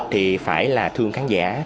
thì phải là thương khán giả